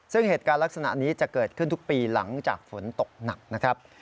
ซึ่งเหตุการณ์ลักษณะนี้จะเกิดขึ้นทุกปีหลังจากฝนตกหนักนะครับ